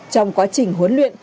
trong quá trình huấn luyện